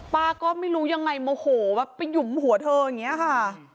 ป้าก็ไม่รู้ยังไงโมโหแบบไปหยุมหัวเธออย่างนี้ค่ะ